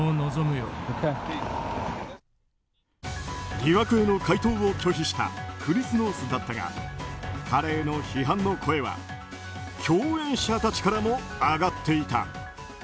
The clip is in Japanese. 疑惑への回答を拒否したクリス・ノースだったが彼への批判の声は共演者たちからも上がっていた。